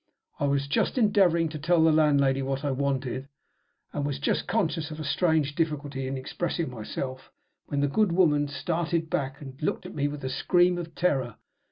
I was just endeavoring to tell the landlady what I wanted and was just conscious o f a strange difficulty in expressing myself, when the good woman started back, and looked at me with a scream of terror.